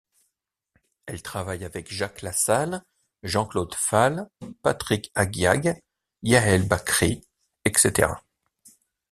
Elle travaille avec Jacques Lasalle, Jean-Claude Fall, Patrick Haggiag, Yaêl Bacri etc.